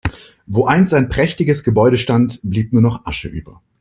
Wo einst ein prächtiges Gebäude stand, blieb nur noch Asche über.